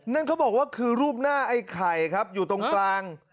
นั่นเขาบอกว่าคือรูปหน้าไอ้ไข่ครับอยู่ตรงกลาง